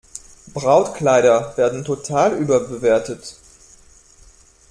Brautkleider werden total überbewertet.